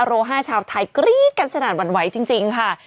ห้าชาวไทยกรี๊ดกันสนั่นหวั่นไหวจริงค่ะ